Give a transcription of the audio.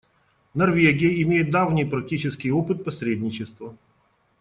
Норвегия имеет давний практический опыт посредничества.